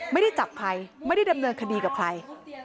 ไม่ได้จับใครไม่ได้ดำเนินคดีกับใคร